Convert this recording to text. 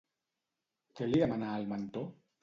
Què li demana al mentor?